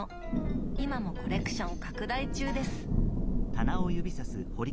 今もコレクション拡大中です。